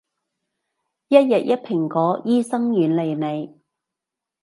一日一蘋果，醫生遠離你